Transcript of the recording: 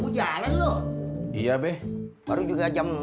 jalan loh iya beh baru juga jam empat din